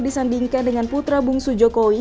disandingkan dengan putra bung sujokowi